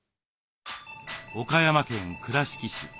岡山県倉敷市。